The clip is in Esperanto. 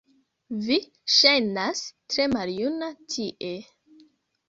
Vi ŝajnas tre maljuna tie